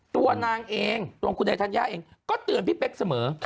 ตัวนางเองตัวคุณไอธัญญาเองก็เตือนพี่เป๊กเสมอ